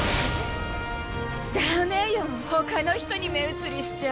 だめよ他の人に目移りしちゃ！